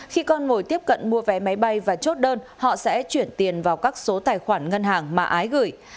khi con mồi tiếp cận mua vé máy bay và chốt đơn họ sẽ chuyển tiền vào các số tài khoản ngân hàng mà ái gửi